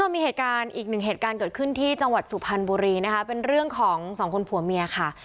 มีเหตุการณ์อีกหนึ่งเหตุการณ์เกิดขึ้นที่จังหวัดสุพรรณบุรีนะคะเป็นเรื่องของสองคนผัวเมียค่ะ